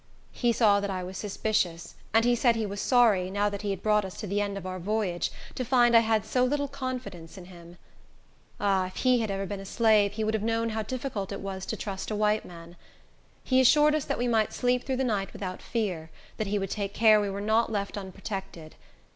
He saw that I was suspicious, and he said he was sorry, now that he had brought us to the end of our voyage, to find I had so little confidence in him. Ah, if he had ever been a slave he would have known how difficult it was to trust a white man. He assured us that we might sleep through the night without fear; that he would take care we were not left unprotected.